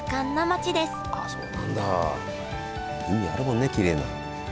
海あるもんねきれいな。